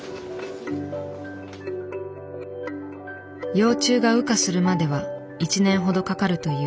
幼虫が羽化するまでは１年ほどかかるという。